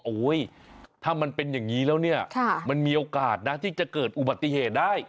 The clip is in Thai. ถ้ามันเป็นอย่างนี้แล้วเนี่ยมันมีโอกาสนะที่จะเกิดอุบัติเหตุได้